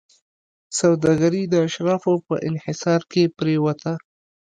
سوداګري د اشرافو په انحصار کې پرېوته.